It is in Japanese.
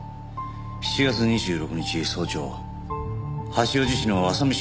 ７月２６日早朝八王子市の浅美